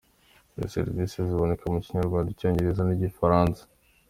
Izi servisi ziboneka mu Kinyarwanda, Icyongereza n’Igifaransa.